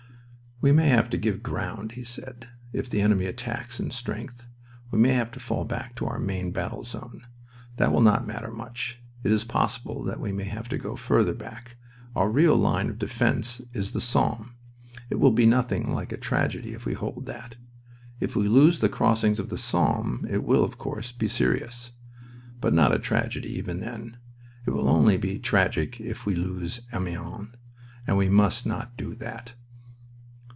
"We may have to give ground," he said, "if the enemy attacks in strength. We may have to fall back to our main battle zone. That will not matter very much. It is possible that we may have to go farther back. Our real line of defense is the Somme. It will be nothing like a tragedy if we hold that. If we lose the crossings of the Somme it will, of course, be serious. But not a tragedy even then. It will only be tragic if we lose Amiens, and we must not do that."